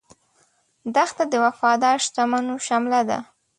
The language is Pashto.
دښته د وفادار شتمنو شمله ده.